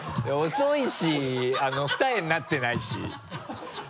遅いし二重になってないし。